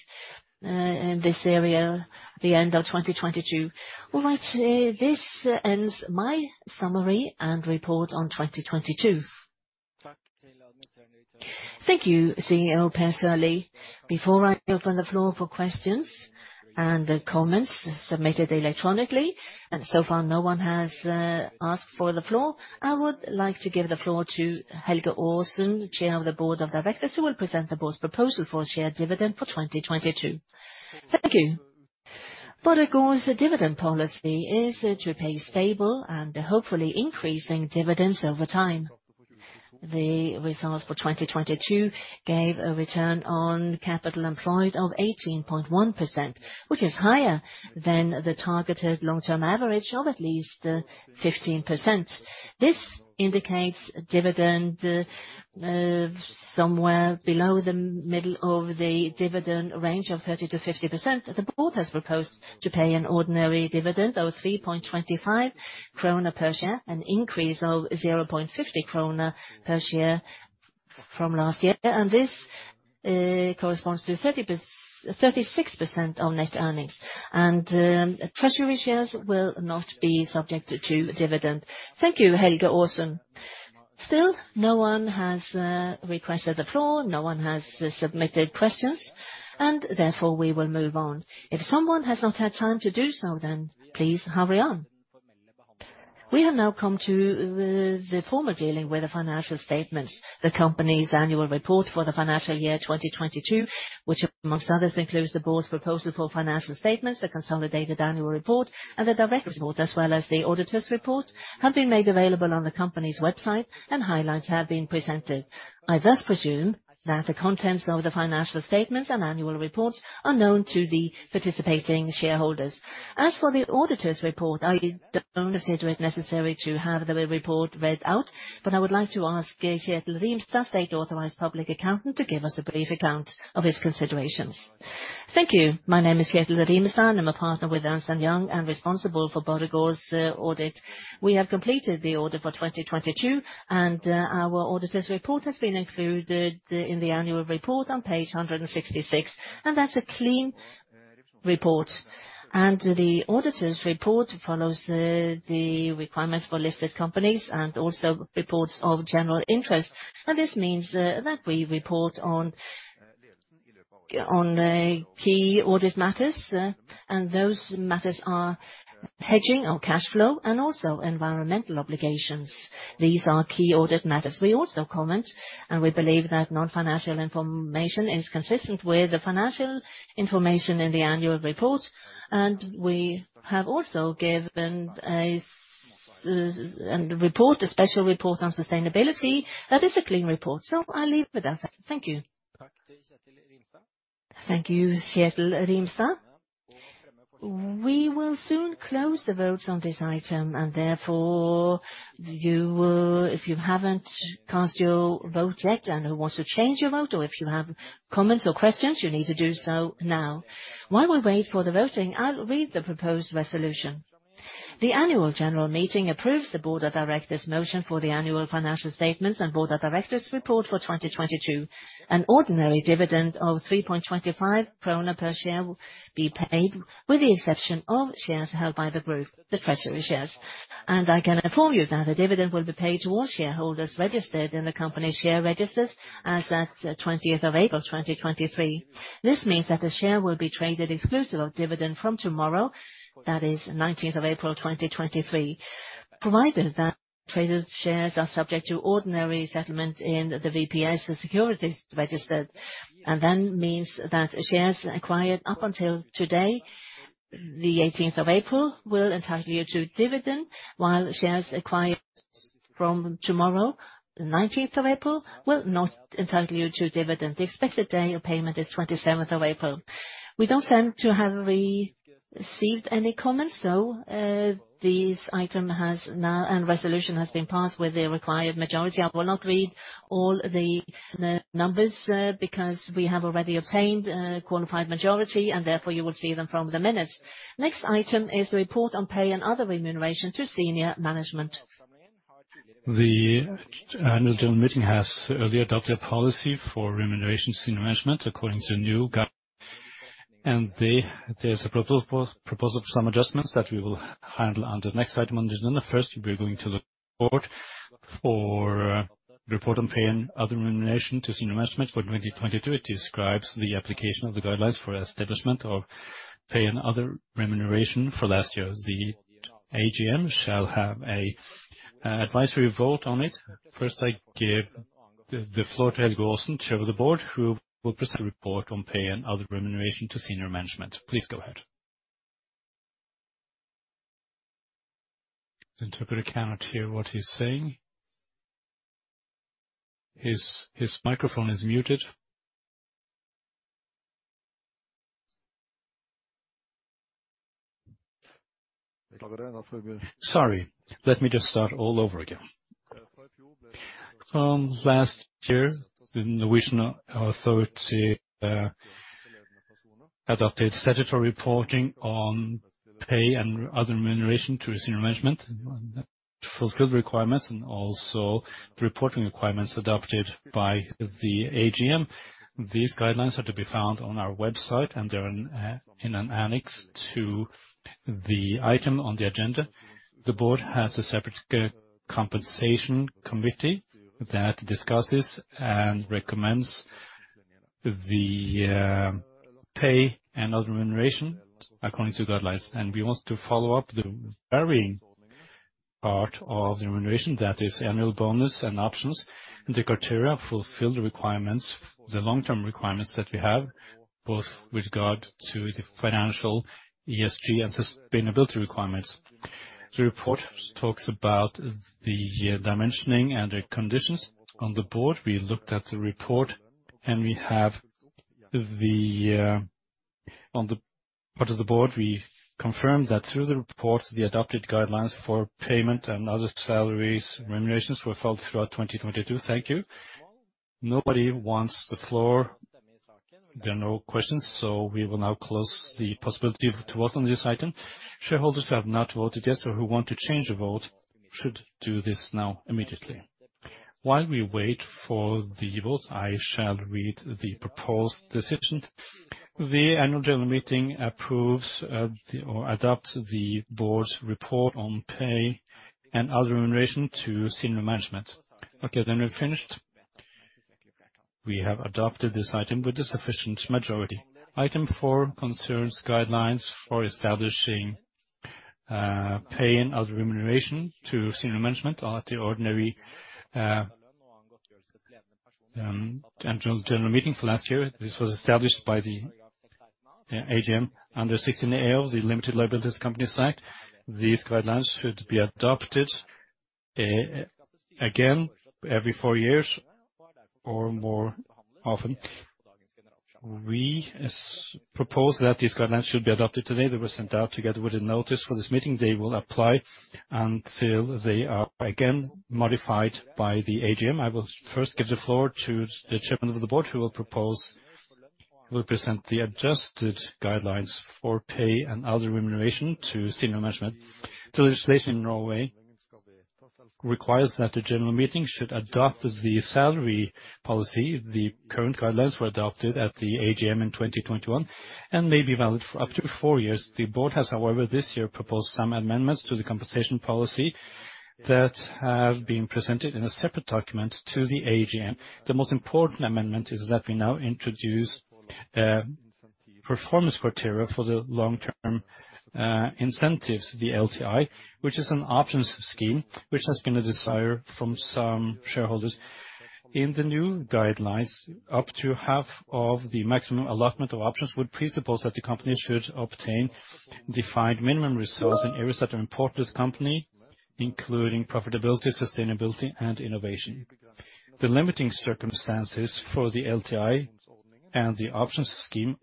S2: in this area at the end of 2022. All right, this ends my summary and report on 2022.
S1: Thank you, CEO Per Sørlie. Before I open the floor for questions and the comments submitted electronically, and so far no one has asked for the floor, I would like to give the floor to Helge Aasen, Chair of the Board of Directors, who will present the Board's proposal for a shared dividend for 2022.
S3: Thank you. Borregaard's dividend policy is to pay stable and hopefully increasing dividends over time. The results for 2022 gave a return on capital employed of 18.1%, which is higher than the targeted long-term average of at least 15%. This indicates dividend somewhere below the middle of the dividend range of 30%-50%. The Board has proposed to pay an ordinary dividend of 3.25 krone per share, an increase of 0.50 krone per share from last year. This corresponds to 36% of net earnings. Treasury shares will not be subject to dividend.
S1: Thank you, Helge Aasen. Still, no one has requested the floor, no one has submitted questions. Therefore, we will move on. If someone has not had time to do so, please hurry on. We have now come to the formal dealing with the financial statements. The company's Annual Report for the financial year 2022, which among others includes the Board's proposal for financial statements, the consolidated Annual Report, and the director's report, as well as the auditor's report, have been made available on the company's website and highlights have been presented. I thus presume that the contents of the Financial Statements and Annual Reports are known to the participating shareholders. As for the auditor's report, I don't consider it necessary to have the report read out, but I would like to ask Kjetil Rimstad, State Authorized Public Accountant, to give us a brief account of his considerations. Thank you.
S4: My name is Kjetil Rimstad. I'm a partner with Ernst & Young and responsible for Borregaard's audit. We have completed the audit for 2022, and our auditor's report has been included in the Annual Report on page 166, and that's a clean report. The auditor's report follows the requirements for listed companies and also reports of general interest. This means that we report on key audit matters, and those matters are hedging our cash flow and also environmental obligations. These are key audit matters. We also comment, and we believe that non-financial information is consistent with the financial information in the Annual Report. We have also given a special report on sustainability that is a clean report. I'll leave it with that. Thank you.
S1: Thank you, Kjetil Rimstad. We will soon close the votes on this item, and therefore if you haven't cast your vote yet and who wants to change your vote, or if you have comments or questions, you need to do so now. While we wait for the voting, I'll read the proposed resolution. The annual general meeting approves the Board of Directors' motion for the annual financial statements and Board of Directors' report for 2022. An ordinary dividend of 3.25 krone per share will be paid, with the exception of shares held by the group, the treasury shares. I can inform you that the dividend will be paid to all shareholders registered in the company's share registers as at 20th of April, 2023. This means that the share will be traded exclusive of dividend from tomorrow, that is 19th of April, 2023. Provided that traded shares are subject to ordinary settlement in the VPS Securities Register. That means that shares acquired up until today, the 18th of April, will entitle you to dividend, while shares acquired from tomorrow, 19th of April, will not entitle you to dividend. The expected day of payment is 27th of April. We don't seem to have received any comments, so this item and resolution has been passed with the required majority. I will not read all the numbers because we have already obtained a qualified majority and therefore you will see them from the minutes. Next item is the report on pay and other remuneration to senior management. The annual general meeting has adopted a policy for remuneration to senior management according to new guidelines. There's a proposal for some adjustments that we will handle under the next item on the agenda. First, we're going to look at the Board. For report on pay and other remuneration to senior management for 2022. It describes the application of the guidelines for establishment of pay and other remuneration for last year. The AGM shall have a advisory vote on it. First, I give the floor to Helge Aasen, Chair of the Board, who will present report on pay and other remuneration to senior management. Please go ahead. Interpreter cannot hear what he's saying. His microphone is muted.
S3: Sorry, let me just start all over again. Last year, the Norwegian authority adopted statutory reporting on pay and other remuneration to senior management, fulfill the requirements, and also the reporting requirements adopted by the AGM. These guidelines are to be found on our website, they're in an annex to the item on the agenda. The Board has a separate compensation committee that discusses and recommends the pay and other remuneration according to the guidelines. We want to follow up the varying part of the remuneration that is annual bonus and options, and the criteria fulfill the requirements, the long-term requirements that we have, both with regard to the financial ESG and sustainability requirements. The report talks about the dimensioning and the conditions on the Board. We looked at the report, and we have the on the part of the Board, we've confirmed that through the report, the adopted guidelines for payment and other salaries, remunerations were followed throughout 2022. Thank you.
S1: Nobody wants the floor. There are no questions, so we will now close the possibility to vote on this item. Shareholders who have not voted yet or who want to change a vote should do this now immediately. While we wait for the votes, I shall read the proposed decision. The annual general meeting approves the, or adopts the Board's report on pay and other remuneration to senior management. Okay, we're finished. We have adopted this item with the sufficient majority. Item four concerns guidelines for establishing pay and other remuneration to senior management at the ordinary annual general meeting for last year. This was established by the AGM under 16 A of the Limited Liability Companies Act. These guidelines should be adopted again every 4 years or more often. We propose that these guidelines should be adopted today. They were sent out together with a notice for this meeting. They will apply until they are again modified by the AGM. I will first give the floor to the Chairman of the Board, who will present the adjusted guidelines for pay and other remuneration to senior management. The legislation in Norway requires that the general meeting should adopt the salary policy. The current guidelines were adopted at the AGM in 2021 and may be valid for up to 4 years. The Board has, however, this year, proposed some amendments to the compensation policy that have been presented in a separate document to the AGM. The most important amendment is that we now introduce performance criteria for the long-term incentives, the LTI, which is an options scheme, which has been a desire from some shareholders. In the new guidelines, up to half of the maximum allotment of options would presuppose that the company should obtain defined minimum results in areas that are important to this company, including profitability, sustainability, and innovation. The limiting circumstances for the LTI and the options scheme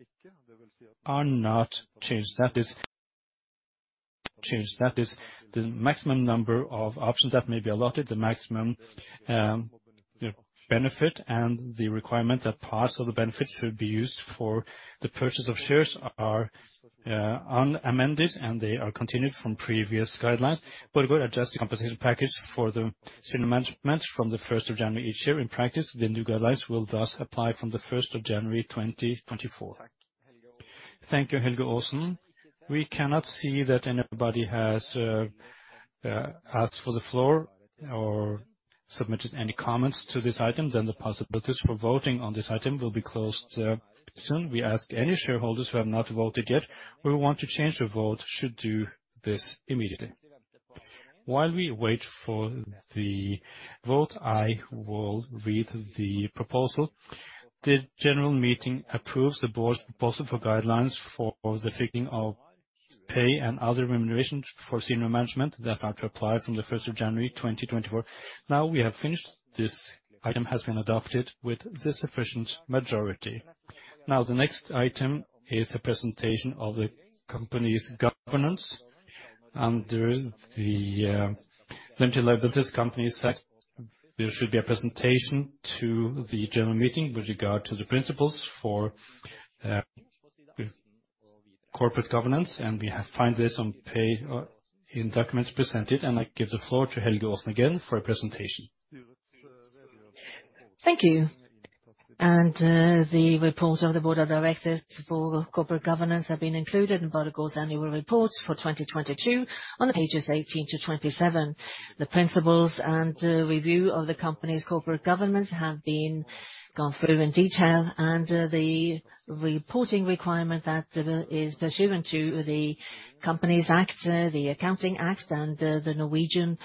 S1: are not changed. That is changed. That is the maximum number of options that may be allotted, the maximum benefit, and the requirement that parts of the benefits should be used for the purchase of shares are unamended, and they are continued from previous guidelines. Again, adjust the compensation package for the senior management from the 1st of January each year. In practice, the new guidelines will thus apply from the 1st of January 2024. Thank you, Helge Aasen. We cannot see that anybody has asked for the floor or submitted any comments to this item, the possibilities for voting on this item will be closed soon. We ask any shareholders who have not voted yet, or who want to change their vote, should do this immediately. While we wait for the vote, I will read the proposal. The General Meeting approves the Board's proposal for guidelines for the fixing of pay and other remunerations for senior management that are to apply from the 1st of January 2024. We have finished. This item has been adopted with the sufficient majority. The next item is a presentation of the company's governance. Under the Limited Liability Companies Act, there should be a presentation to the general meeting with regard to the principles for corporate governance, and we have find this on pay in documents presented, and I give the floor to Helge Aasen again for a presentation.
S3: Thank you. The report of the Board of Directors for Corporate Governance have been included in Borregaard's Annual Reports for 2022 on pages 18-27. The principles and review of the company's Corporate Governance have been gone through in detail and the reporting requirement that is pursuant to the Companies Act, the Accounting Act, and the Norwegian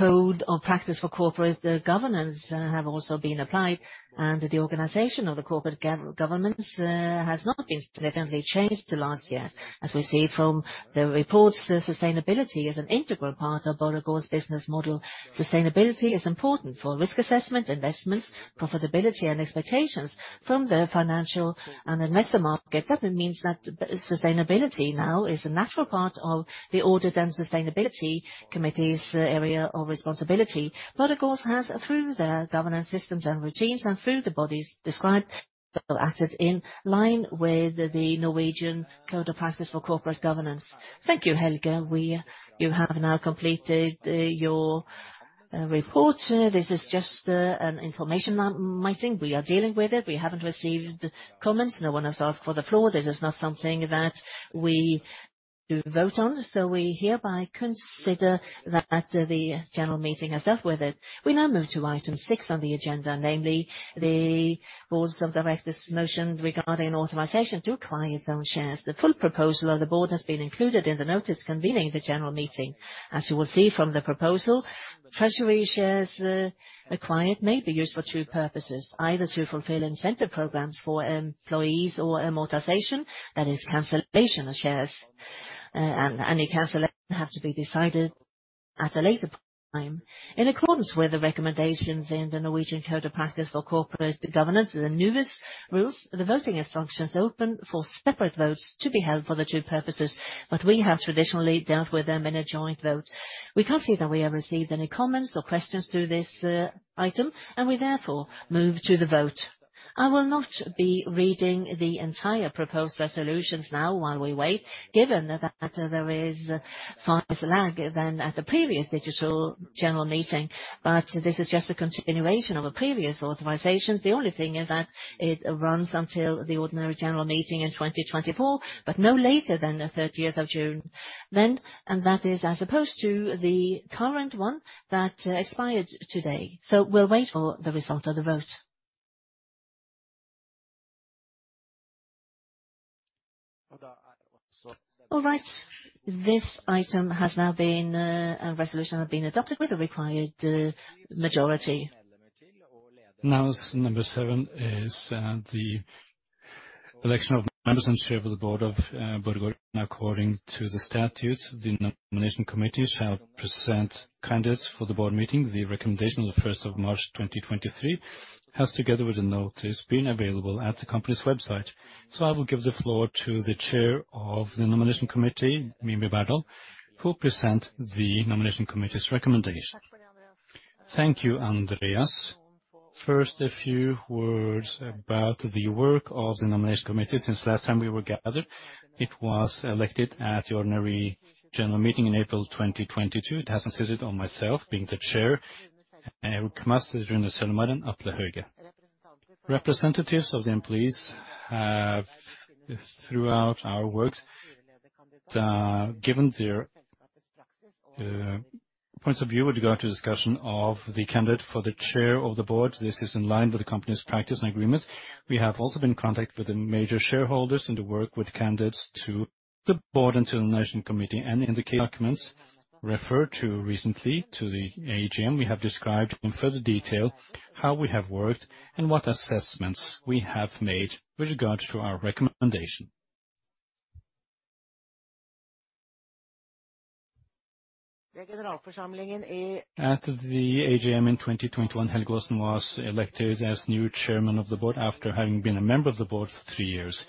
S3: Code of Practice for Corporate Governance have also been applied, and the organization of the Corporate Governance has not been significantly changed to last year. As we see from the report's sustainability is an integral part of Borregaard's business model. Sustainability is important for risk assessment, investments, profitability, and expectations from the financial and investor market. That means that sustainability now is a natural part of the Audit and Sustainability Committee's area of responsibility. Borregaard has, through their governance systems and routines and through the bodies described, acted in line with the Norwegian Code of Practice for Corporate Governance.
S1: Thank you, Helge. You have now completed your report. This is just an information item. I think we are dealing with it. We haven't received comments. No one has asked for the floor. This is not something that we vote on. We hereby consider that the General Meeting has dealt with it. We now move to item six on the agenda, namely the Boards of Directors' motion regarding authorization to acquire its own shares. The full proposal of the Board has been included in the notice convening the General Meeting. As you will see from the proposal, treasury shares acquired may be used for 2 purposes, either to fulfill incentive programs for employees or amortization, that is cancellation of shares. Any cancellation have to be decided at a later time. In accordance with the recommendations in the Norwegian Code of Practice for Corporate Governance, the newest rules, the voting instructions open for separate votes to be held for the 2 purposes, but we have traditionally dealt with them in a joint vote. We can't see that we have received any comments or questions through this item, and we therefore move to the vote. I will not be reading the entire proposed resolutions now while we wait, given that there is 5 lag than at the previous digital general meeting, but this is just a continuation of a previous authorization. The only thing is that it runs until the ordinary general meeting in 2024. No later than the 30th of June then. That is as opposed to the current one that expired today. We'll wait for the result of the vote. All right. This item has now been a resolution have been adopted with the required majority. Number 7 is the Election of Members and Chair of the Board of Borregaard. According to the statutes, the Nomination Committee shall present candidates for the Board Meeting. The recommendation of the 1st of March 2023 has, together with the notice, been available at the company's website. I will give the floor to the Chair of the Nomination Committee, Mimi K. Berdal, who'll present the Nomination Committee's recommendation.
S5: Thank you, Andreas Jarbø. First, a few words about the work of the Nomination Committee since last time we were gathered. It was elected at the ordinary general meeting in April 2022. It has consisted of myself being the Chair, Erik Must, Rune Selmar, Atle Hauge. Representatives of the employees have, throughout our works, given their points of view with regard to discussion of the candidate for the Chair of the Board. This is in line with the company's practice and agreements. We have also been in contact with the major shareholders in the work with candidates to the Board and to the Nomination Committee and in the key documents referred to recently to the AGM. We have described in further detail how we have worked and what assessments we have made with regards to our recommendation. At the AGM in 2021, Helge Aasen was elected as new Chair of the Board after having been a member of the Board for three years.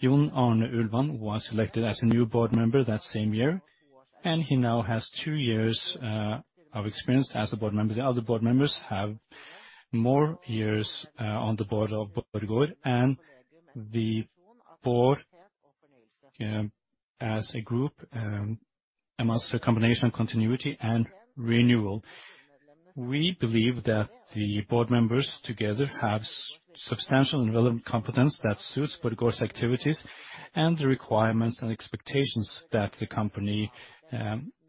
S5: John Arne Ulvan was elected as a new Board Member that same year, and he now has two years of experience as a Board Member. The other Board Members have more years on the Board of Borregaard, and the Board as a group amongst a combination of continuity and renewal. We believe that the Board Members together have substantial and relevant competence that suits Borregaard's activities and the requirements and expectations that the company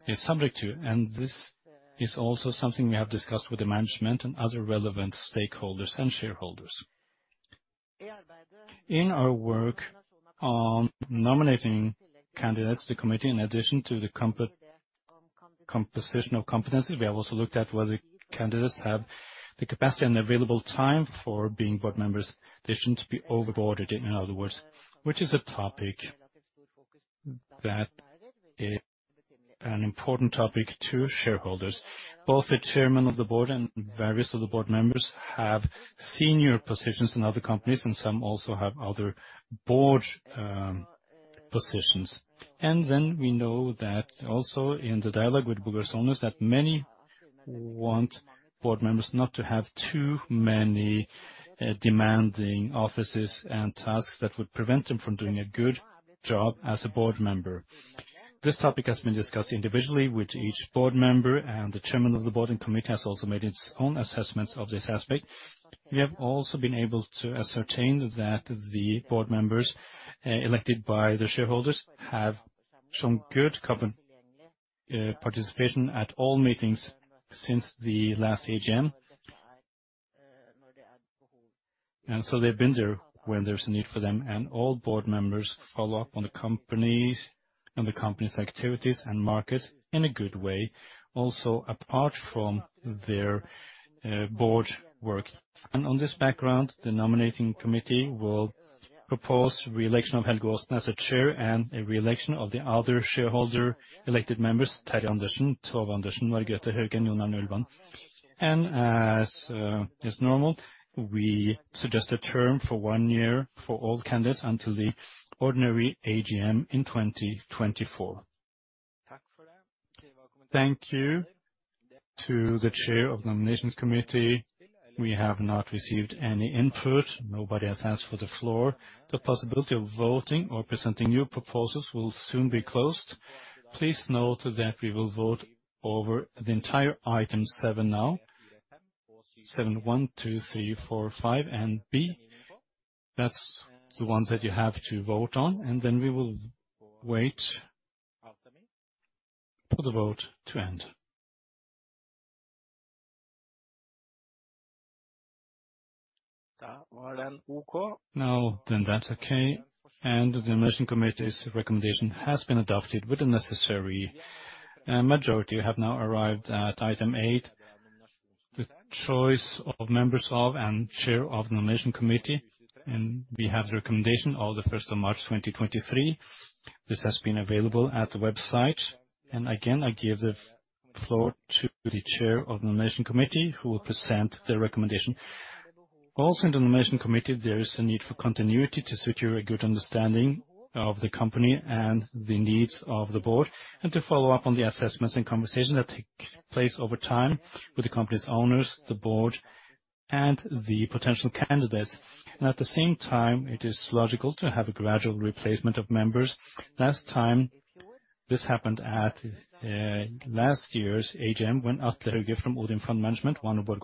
S5: is subject to. This is also something we have discussed with the management and other relevant stakeholders and shareholders. In our work on nominating candidates to the committee, in addition to the composition of competencies, we have also looked at whether candidates have the capacity and available time for being Board Members. They shouldn't be over-boarded, in other words, which is a topic that is an important topic to shareholders. Both the Chairman of the Board and various of the Board Members have senior positions in other companies, and some also have other board positions. We know that also in the dialogue with Borregaard's owners that many demanding offices and tasks that would prevent them from doing a good job as a Board Member. This topic has been discussed individually with each Board Member, and the Chair of the Board and committee has also made its own assessments of this aspect. We have also been able to ascertain that the Board Members elected by the shareholders have shown good carbon participation at all meetings since the last AGM. They've been there when there's a need for them, and all Board Members follow up on the company's activities and markets in a good way, also apart from their board work. On this background, the Nomination Committee will propose reelection of Helge Aasen as Chair and a reelection of the other shareholder elected members, Terje Andersen, Tove Andersen, Margrethe Hauge, and John Arne Ulvan. As normal, we suggest a term for one year for all candidates until the ordinary AGM in 2024.
S1: Thank you to the Chair of the Nomination Committee. We have not received any input. Nobody has asked for the floor. The possibility of voting or presenting new proposals will soon be closed. Please note that we will vote over the entire item 7 now. 7.1, 2, 3, 4, 5, and B. That's the ones that you have to vote on. We will wait for the vote to end. That's okay. The Nomination Committee's recommendation has been adopted with the necessary majority. We have now arrived at item 8, the choice of members of and Chair of the Nomination Committee. We have the recommendation of the 1st of March 2023. This has been available at the website. Again, I give the floor to the Chair of the Nomination Committee, who will present the recommendation. In the Nomination Committee, there is a need for continuity to secure a good understanding of the company and the needs of the Board and to follow up on the assessments and conversations that take place over time with the company's owners, the Board, and the potential candidates. At the same time, it is logical to have a gradual replacement of members. Last time this happened at last year's AGM when Atle Hauge from ODIN Fund Management, one of our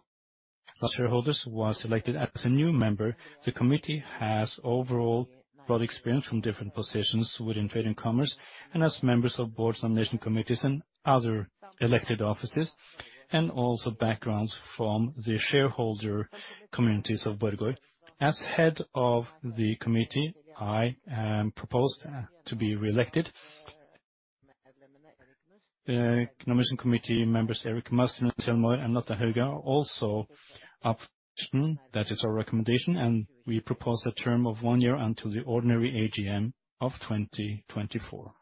S1: shareholders, was elected as a new member. The committee has overall broad experience from different positions within trade and commerce and as Members of Boards, nomination committees, and other elected offices, and also backgrounds from the shareholder communities of Borregaard. As head of the committee, I am proposed to be reelected. Nomination Committee members Erik Must, Rune Selmar, and Atle Hauge are also up. That is our recommendation, and we propose a term of one year until the ordinary AGM of 2024.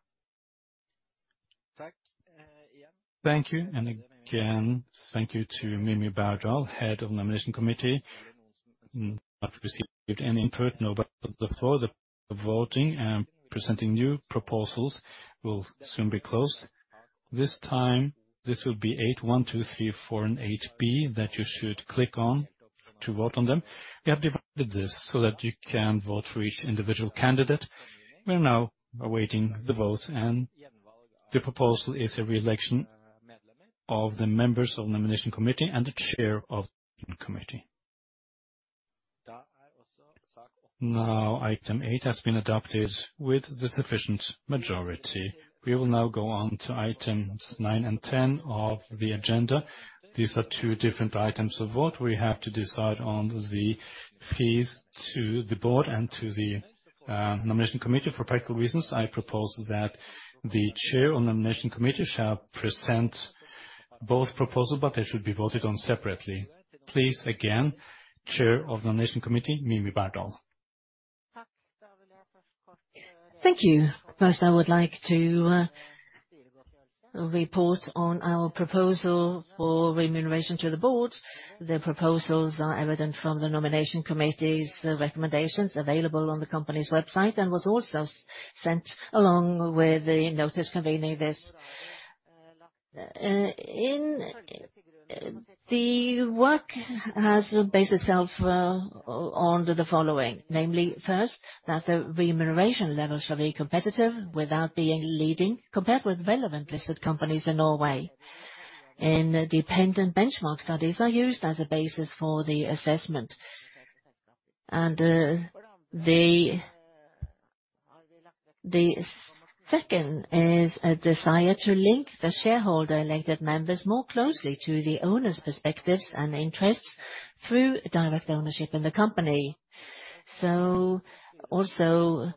S1: Thank you. Again, thank you to Mimi K. Berdal, head of Nomination Committee. We have not received any input. Nobody on the floor. The voting, presenting new proposals will soon be closed. This time, this will be 81234 and 8B that you should click on to vote on them. We have divided this so that you can vote for each individual candidate. We are now awaiting the votes, and the proposal is a reelection of the members of the Nomination Committee and the chair of the committee. Item 8 has been adopted with the sufficient majority. We will now go on to items 9 and 10 of the agenda. These are 2 different items of vote. We have to decide on the fees to the Board and to the Nomination Committee. For practical reasons, I propose that the chair of the Nomination Committee shall present both proposals, but they should be voted on separately. Please again, Chair of the Nomination Committee, Mimi K. Berdal.
S5: Thank you. First, I would like to report on our proposal for remuneration to the Board. The proposals are evident from the Nomination Committee's recommendations available on the company's website and was also sent along with the notice convening this. The work has based itself on the following. Namely, first, that the remuneration level shall be competitive without being leading compared with relevant listed companies in Norway. Dependent benchmark studies are used as a basis for the assessment. The second is a desire to link the shareholder elected members more closely to the owners' perspectives and interests through direct ownership in the company. Also,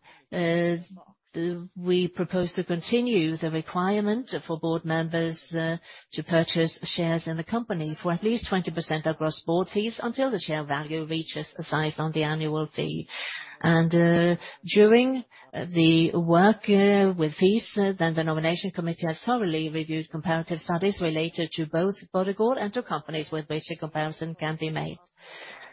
S5: we propose to continue the requirement for Board Members to purchase shares in the company for at least 20% across board fees until the share value reaches the size on the annual fee. During the work with fees, then the Nomination Committee has thoroughly reviewed comparative studies related to both Borregaard and to companies with which a comparison can be made.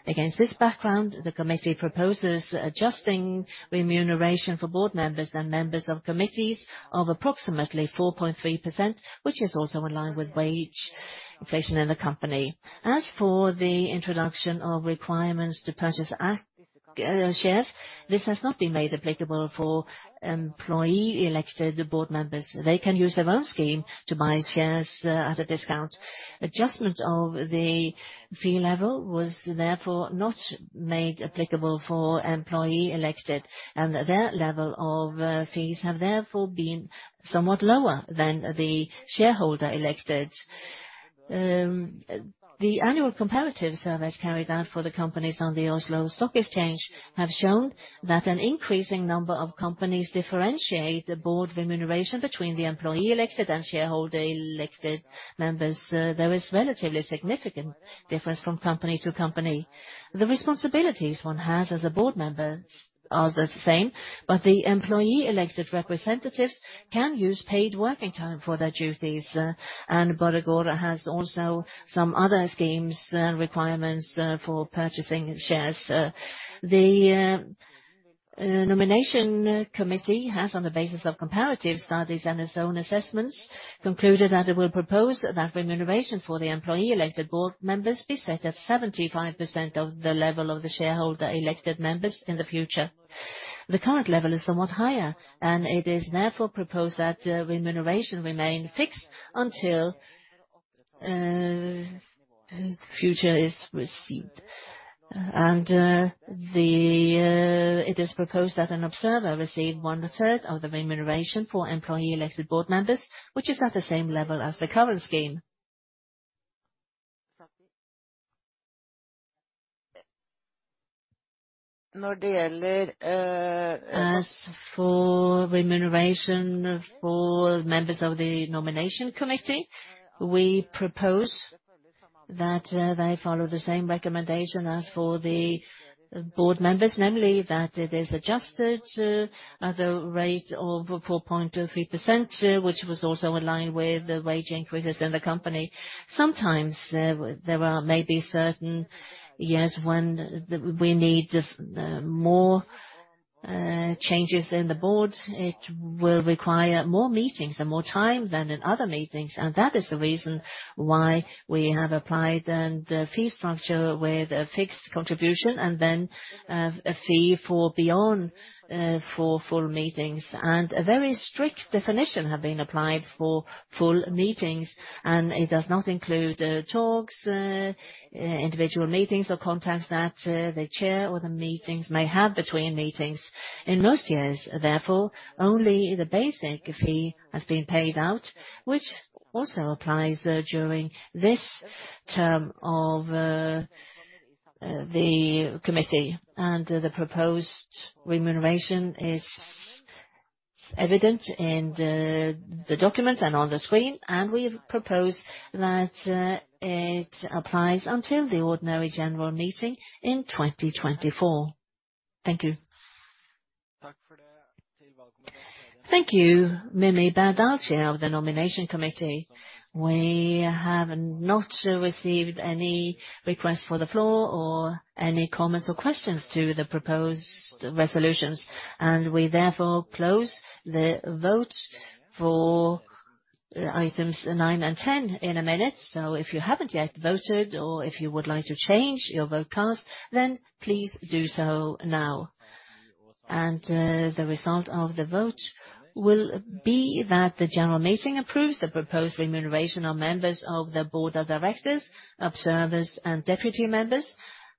S5: Against this background, the committee proposes adjusting remuneration for Board Members and members of committees of approximately 4.3%, which is also in line with wage inflation in the company. As for the introduction of requirements to purchase shares. This has not been made applicable for employee elected Board Members. They can use their own scheme to buy shares at a discount. Adjustment of the fee level was therefore not made applicable for employee elected, and their level of fees have therefore been somewhat lower than the shareholder elected. The annual comparative surveys carried out for the companies on the Oslo Stock Exchange have shown that an increasing number of companies differentiate the Board remuneration between the employee elected and shareholder elected members. There is relatively significant difference from company to company. The responsibilities one has as a Board Member are the same. The employee elected representatives can use paid working time for their duties. Borregaard has also some other schemes and requirements for purchasing shares. The Nomination Committee has, on the basis of comparative studies and its own assessments, concluded that it will propose that remuneration for the Employee Elected Board Members be set at 75% of the level of the shareholder elected members in the future. The current level is somewhat higher. It is therefore proposed that remuneration remain fixed until the future is received. It is proposed that an observer receive one third of the remuneration for Employee Elected Board Members, which is at the same level as the current scheme. As for remuneration for members of the Nomination Committee, we propose that they follow the same recommendation as for the Board Members, namely that it is adjusted at a rate of 4.23%, which was also in line with the wage increases in the company. Sometimes there are maybe certain years when we need more changes in the Board. It will require more meetings and more time than in other meetings, and that is the reason why we have applied then the fee structure with a fixed contribution and then a fee for beyond for full meetings. A very strict definition have been applied for full meetings, and it does not include talks, individual meetings or contacts that the chair or the meetings may have between meetings. In most years, therefore, only the basic fee has been paid out, which also applies during this term of the committee. The proposed remuneration is evident in the documents and on the screen. We propose that it applies until the ordinary general meeting in 2024. Thank you.
S1: Thank you, Mimi K. Berdal, Chair of the Nomination Committee. We have not received any requests for the floor or any comments or questions to the proposed resolutions, and we therefore close the vote for items 9 and 10 in a minute. If you haven't yet voted or if you would like to change your vote cast, then please do so now. The result of the vote will be that the general meeting approves the proposed remuneration of members of the Board of Directors, observers and deputy members,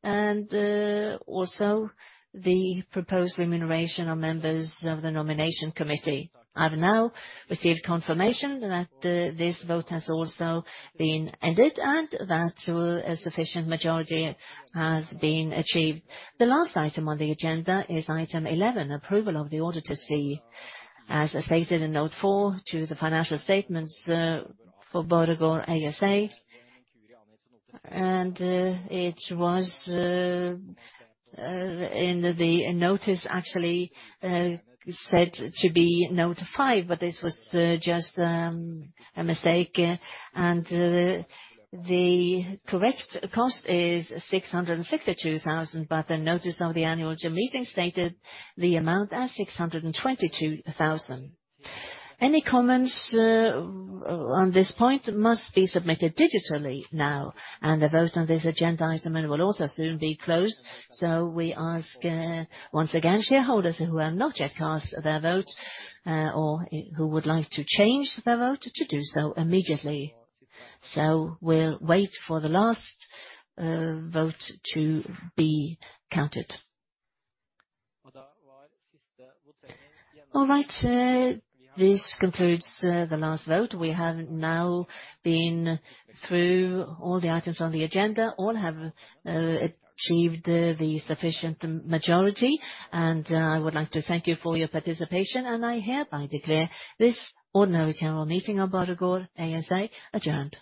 S1: also the proposed remuneration of members of the Nomination Committee. I've now received confirmation that this vote has also been ended and that a sufficient majority has been achieved. The last item on the agenda is item 11, approval of the auditor's fee, as stated in Note 4 to the financial statements for Borregaard ASA. It was in the notice actually said to be note 5, but this was just a mistake. The correct cost is 662,000. The notice of the annual meeting stated the amount as 622,000. Any comments on this point must be submitted digitally now, and the vote on this agenda item will also soon be closed. We ask once again, shareholders who have not yet cast their vote, or who would like to change their vote to do so immediately. We'll wait for the last vote to be counted. All right. This concludes the last vote. We have now been through all the items on the agenda. All have achieved the sufficient majority. I would like to thank you for your participation, and I hereby declare this ordinary general meeting of Borregaard ASA adjourned.